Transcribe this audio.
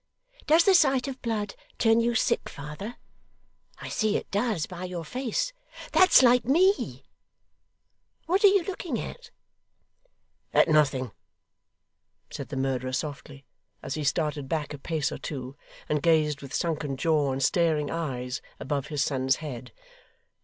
Does the sight of blood turn you sick, father? I see it does, by your face. That's like me What are you looking at?' 'At nothing!' said the murderer softly, as he started back a pace or two, and gazed with sunken jaw and staring eyes above his son's head.